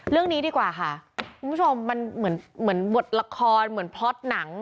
เรื่องนี้ดีกว่าค่ะคุณผู้ชมมันเหมือนบทละครเหมือนพล็อตหนัง